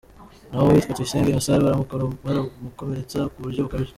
Naho uwitwa Tuyisenge Innocent baramukomeretsa ku buryo bukabije.